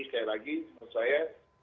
sekali lagi menurut saya